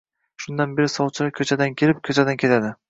Shundan beri sovchilar ko‘chadan kelib, ko‘chadan ketadi